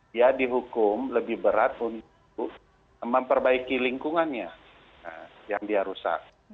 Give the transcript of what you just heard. dia dihukum lebih berat untuk memperbaiki lingkungannya yang dia rusak